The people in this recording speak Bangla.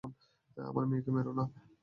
আমার মেয়েকে মেরো না।